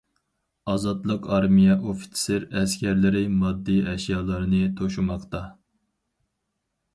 ئازادلىق ئارمىيە ئوفىتسېر- ئەسكەرلىرى ماددىي ئەشيالارنى توشۇماقتا.